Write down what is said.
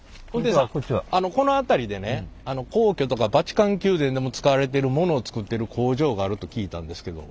この辺りでね皇居とかバチカン宮殿でも使われてるものを作ってる工場があると聞いたんですけど。